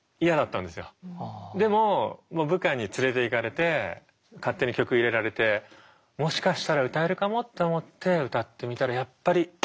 でも部下に連れていかれて勝手に曲入れられてもしかしたら歌えるかもと思って歌ってみたらやっぱり歌えなかったって。